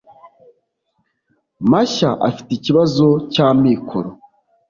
mashya afite ikibazo cy’amikoro